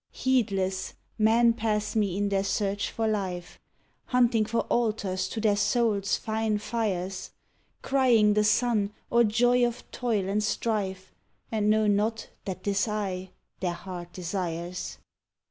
"Heedless men pass me in their search for life, Hunting for altars to their souls' fine fires, Crying the sun or joy of toil and strife And know not that 'tis I their heart desires.